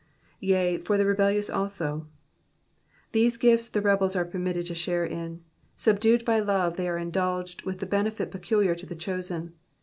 ^^ Tea, for the rebellious also:'' these gifts the rebels are permitted to share in ; subdued by love, they are indulged with the benefits peculiar to the chosen.